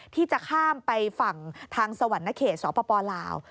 ที่จะข้ามไปฝั่งทางสวรรณเขตสปลาว